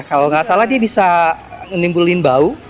kalau nggak salah dia bisa menimbulkan bau